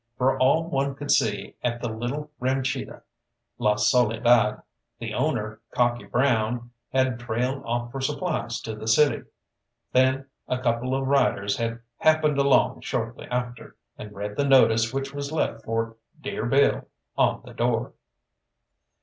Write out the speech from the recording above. For all one could see at the little ranchita La Soledad, the owner, Cocky Brown, had trailed off for supplies to the city, then a couple of riders had happened along shortly after, and read the notice which was left for "Dere Bill" on the door.